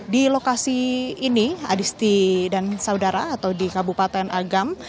di lokasi ini adisti dan saudara atau di kabupaten agam